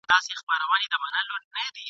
نور د سوال لپاره نه ځو په اسمان اعتبار نسته !.